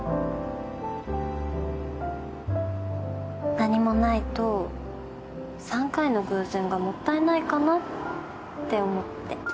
何もないと３回の偶然がもったいないかなって思って。